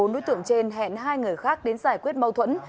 bốn đối tượng trên hẹn hai người khác đến giải quyết mâu thuẫn